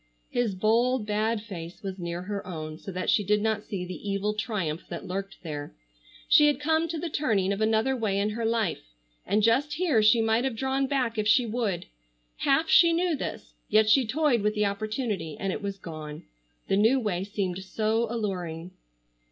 His bold, bad face was near her own, so that she did not see the evil triumph that lurked there. She had come to the turning of another way in her life, and just here she might have drawn back if she would. Half she knew this, yet she toyed with the opportunity, and it was gone. The new way seemed so alluring.